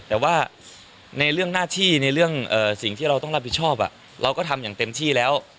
แต่ว่าในเรื่องหน้าที่ในเรื่องสิ่งที่เราต้องรับผิดชอบเราก็ทำอย่างเต็มที่แล้ว